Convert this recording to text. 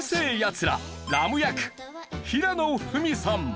ラム役平野文さん。